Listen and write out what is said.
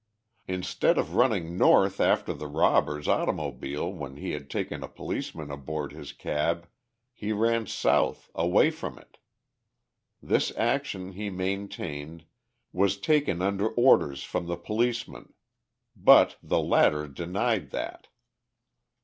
Instead of running north after the robbers' automobile when he had taken a policeman aboard his cab, he ran south, away from it. This action, he maintained, was taken under orders from the policeman. But the latter denied that.